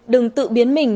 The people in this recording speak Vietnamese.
đừng tự biến mình